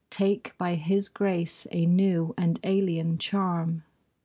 Take by his grace a new and alien charm.